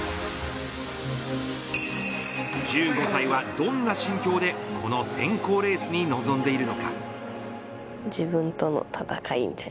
１５歳はどんな心境でこの選考レースに臨んでいるのか。